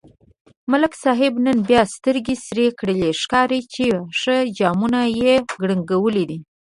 ملک صاحب نن بیا سترگې سرې کړي، ښکاري چې ښه جامونه یې کړنگولي.